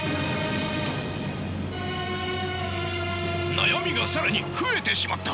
悩みが更に増えてしまった！